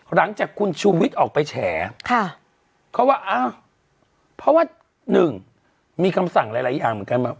หลังจากคุณชุวิตออกไปแชร์เขาว่าเพราะว่า๑มีคำสั่งหลายอย่างเหมือนกัน